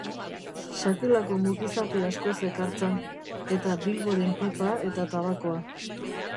Sakelako mukizapi asko zekartzan, eta Bilboren pipa eta tabakoa.